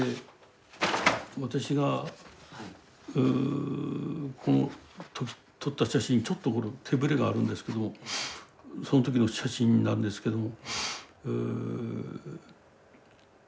私がこの撮った写真ちょっとこれ手ブレがあるんですけどもその時の写真なんですけども。